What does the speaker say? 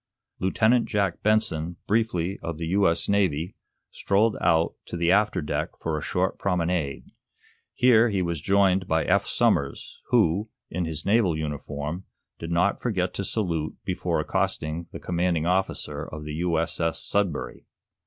Lieutenant Jack Benson, briefly of the U.S. Navy, strolled out to the after deck for a short promenade. Here he was joined by Eph Somers, who, in his naval uniform, did not forget to salute before accosting the commanding officer of the U.S.S. "Sudbury."